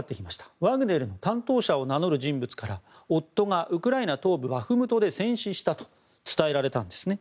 ワグネルの担当者を名乗る人物から夫がウクライナ東部バフムトで戦死したと伝えられたんですね。